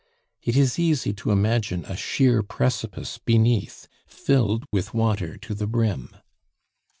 It is easy to imagine a sheer precipice beneath filled with water to the brim.